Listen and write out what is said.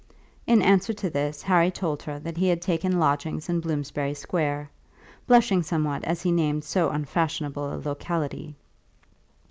In answer to this, Harry told her that he had taken lodgings in Bloomsbury Square, blushing somewhat as he named so unfashionable a locality.